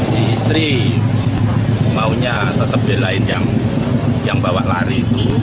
si istri maunya tetap di lain yang bawa lari